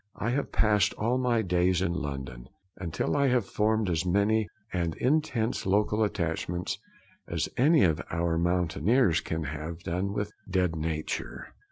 I have passed all my days in London, until I have formed as many and intense local attachments as any of your mountaineers can have done with dead nature.